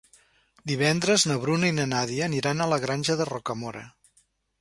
Divendres na Bruna i na Nàdia aniran a la Granja de Rocamora.